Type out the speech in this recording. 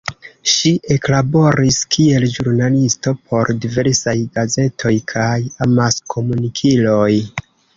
Ŝi eklaboris kiel ĵurnalisto por diversaj gazetoj kaj amaskomunikiloj.